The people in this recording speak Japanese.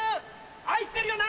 愛してるよな？